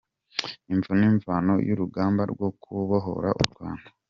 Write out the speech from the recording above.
Imvo n’imvano y’urugamba rwo kubohora u Rwanda